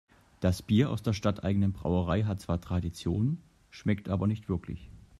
Das Bier aus der stadteigenen Brauerei hat zwar Tradition, schmeckt aber nicht wirklich.